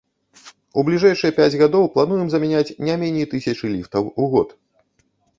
У бліжэйшыя пяць гадоў плануем замяняць не меней тысячы ліфтаў у год.